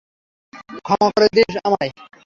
ক্ষমা করে দিস আমায়।